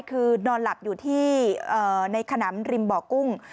คือนอนหลับอยู่ที่ในขนำริมบ่อกุ้ง